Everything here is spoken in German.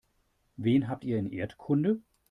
Wen habt ihr in Erdkunde?